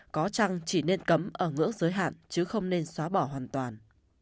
có chăng chỉ nên cấm ở ngưỡng giới hạn chứ không nên xóa bỏ hoàn toàn